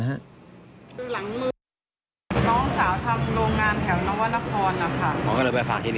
น้องสาวทำโรงงานแถวนวรรณพร๐๖๖